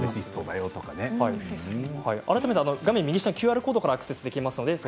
改めて画面右下ＱＲコードからアクセスできます。